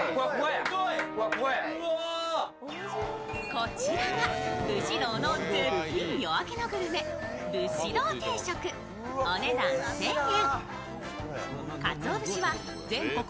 こちらが節道の絶品夜明けのグルメ、節道定食、お値段１０００円。